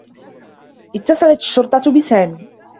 اتّصلت الشّرطة بسامي.